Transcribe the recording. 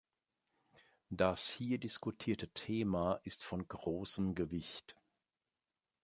Das hier diskutierte Thema ist von großem Gewicht.